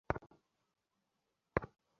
আমার তোমাকে নিয়ে ভয় হচ্ছে।